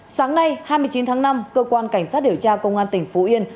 sáng nay hai mươi chín tháng năm cơ quan cảnh sát điều tra công an tỉnh phú yên